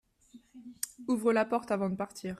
Ouvre la porte avant de partir.